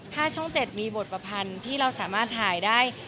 ถ้าช่อง๗มีบทประพันธ์ที่เราสามารถถ่ายได้